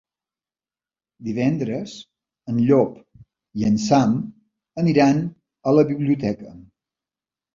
Divendres en Llop i en Sam aniran a la biblioteca.